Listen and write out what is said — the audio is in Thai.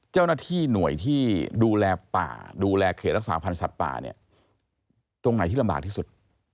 เจ้าหน้าที่หน่วยที่ดูแลป่าดูแลเขตรักษาพันธ์สัตว์ป่าเนี่ยตรงไหนที่ลำบากที่สุด